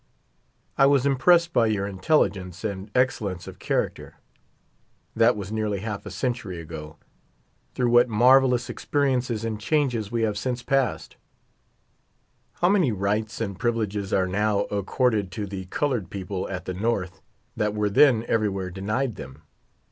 I was impressed by your intelligence and excellence of character. That was nearly half a century ago. Through what marvellous experiences and changes we have since passed I How many rights and privileges are now ac corded to the colored people at the North that were then everywhere denied them